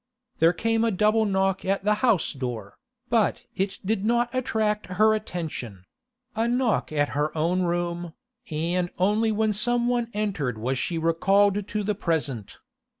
There came a double knock at the house door, but it did not attract her attention; a knock at her own room, and only when some one entered was she recalled to the present.